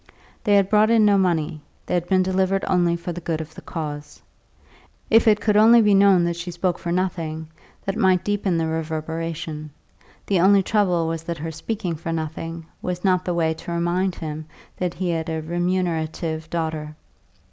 They had brought in no money; they had been delivered only for the good of the cause. If it could only be known that she spoke for nothing, that might deepen the reverberation; the only trouble was that her speaking for nothing was not the way to remind him that he had a remunerative daughter.